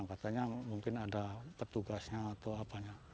katanya mungkin ada petugasnya atau apanya